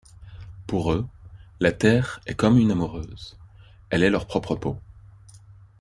Pour eux, la terre est comme une amoureuse, elle est leur propre peau.